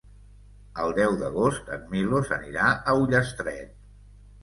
El deu d'agost en Milos anirà a Ullastret.